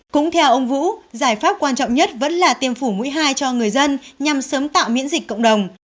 cũng theo ông vũ giải pháp quan trọng nhất vẫn là tiêm phủ mũi hai cho người dân nhằm sớm tạo miễn dịch cộng đồng